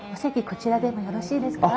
こちらでもよろしいですか？